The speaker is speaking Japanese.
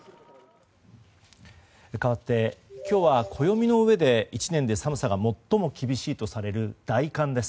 かわって今日は暦のうえで１年で寒さが最も厳しいとされる大寒です。